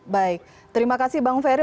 baik terima kasih bang ferry